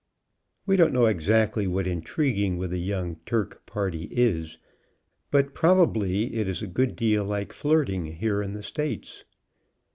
We don't know exactly what intriguing with a young Turk party is, but probably it is a good deal like flirting here in the states.